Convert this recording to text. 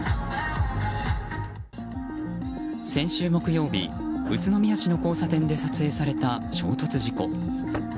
先週木曜日宇都宮市の交差点で撮影された衝突事故。